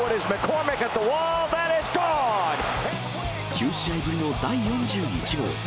９試合ぶりの第４１号。